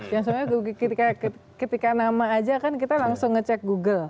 ya sebenarnya ketika nama aja kan kita langsung ngecek google